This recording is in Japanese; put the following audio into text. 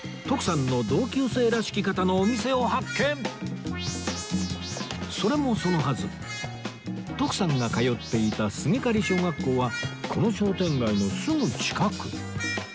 なんとそれもそのはず徳さんが通っていた菅刈小学校はこの商店街のすぐ近く